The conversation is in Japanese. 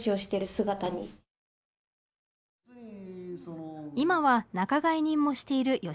今は仲買人もしている義美さん。